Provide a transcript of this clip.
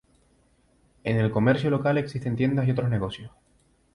En el comercio local existen tiendas y otros negocios.